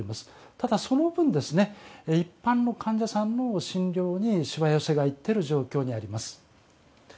ただ、その分一般の患者さんの診療にしわ寄せがいってる状況にあります。